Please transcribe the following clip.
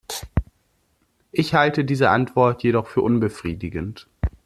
Ich halte diese Antwort jedoch für unbefriedigend.